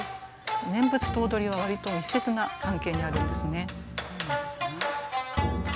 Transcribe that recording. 念仏と踊りは割と密接な関係にあるんですね。